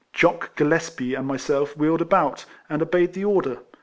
Jock Gillespie and myself wheeled about, and obeyed the order.